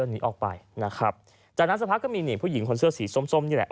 หนีออกไปนะครับจากนั้นสักพักก็มีนี่ผู้หญิงคนเสื้อสีส้มส้มนี่แหละ